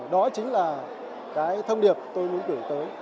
đó chính là cái thông điệp tôi muốn gửi tới